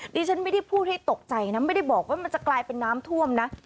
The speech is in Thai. ดิฉันไม่ได้พูดให้ตกใจนะไม่ได้บอกว่ามันจะกลายเป็นน้ำท่วมนะ